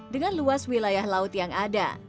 dengan luas wilayah laut yang ada